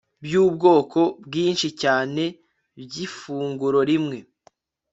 byubwoko bwinshi cyane byifunguro rimwe